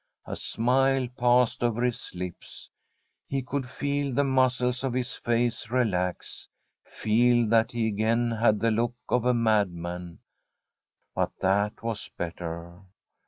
A smile passed over his lips. He could feel the muscles of his face relax, feel that he again had the look of a madman. But that was better.